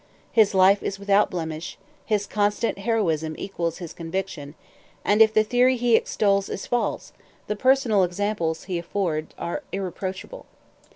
His life is without blemish; his constant heroism equals his conviction; and if the theory he extols is false, the personal examples he affords are irreproachable.